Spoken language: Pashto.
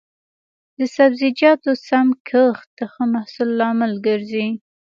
د سبزیجاتو سم کښت د ښه محصول لامل ګرځي.